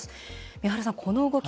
三原さん、この動き